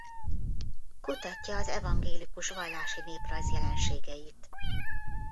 Kutatja az evangélikus vallási néprajz jelenségeit.